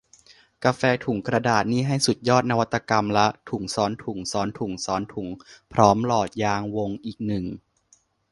กาแฟถุงกระดาษนี่ให้สุดยอดนวัตกรรมละ ถุงซ้อนถุงซ้อนถุงซ้อนถุงพร้อมหลอดยางวงอีกหนึ่ง